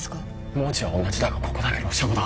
文字は同じだがここだけロシア語だ